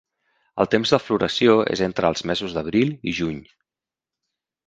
El temps de floració és entre els mesos d'abril i juny.